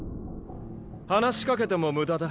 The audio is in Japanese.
話しかけても無駄だ。